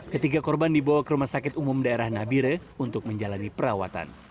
ketiga korban dibawa ke rumah sakit umum daerah nabire untuk menjalani perawatan